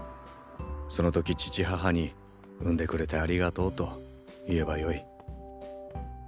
その時父母に生んでくれてありがとうと言えばよい。